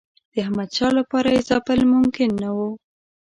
د احمدشاه لپاره یې ځپل ممکن نه وو.